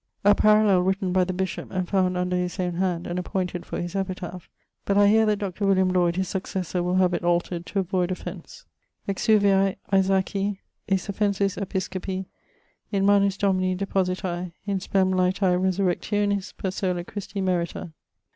A parallel written by the bishop and found under his owne hand and appointed for his epitaph, but I heare that Dr. Lloyd his successor will have it altered to avoyd offence: Exuviae Isaaci, Asaphensis episcopi, In manus Domini depositae, In spem laetae resurrectionis per sola Christi merita.